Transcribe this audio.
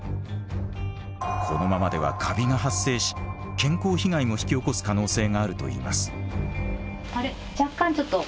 このままではカビが発生し健康被害も引き起こす可能性があるといいます。